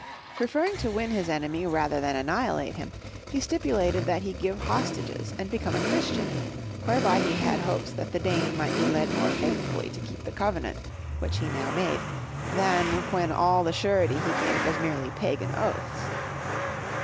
Preferring to win his enemy rather than anni hilate him, he stipulated that he give hostages and become a Christian, whereby he had hopes that the Dane might be led more faithfully to keep the covenant which now he made, than when all the surety he gave was merely pagan oaths.